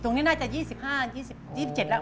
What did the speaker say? ตรงนี้น่าจะ๒๕๒๗ปีแล้ว